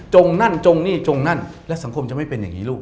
นั่นจงนี่จงนั่นและสังคมจะไม่เป็นอย่างนี้ลูก